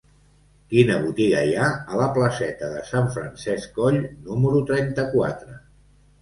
Quina botiga hi ha a la placeta de Sant Francesc Coll número trenta-quatre?